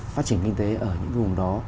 phát triển kinh tế ở những vùng đó